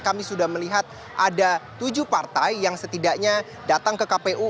kami sudah melihat ada tujuh partai yang setidaknya datang ke kpu